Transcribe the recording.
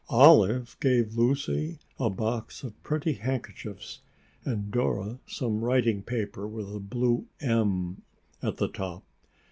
Olive gave Lucy a box of pretty handkerchiefs and Dora some writing paper with a blue M at the top.